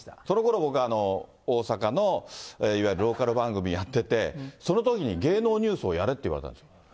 そのころ僕は、大阪のいわゆるローカル番組やってて、そのときに芸能ニュースをやれって言われたんです。